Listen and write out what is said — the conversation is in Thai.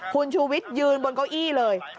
คุณชูวิทยืนบนเก้าอี้เลย